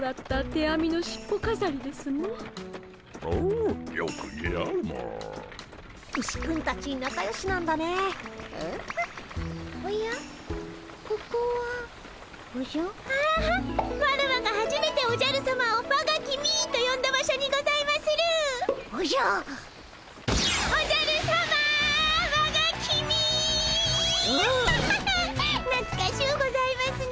アハハハッなつかしゅうございますね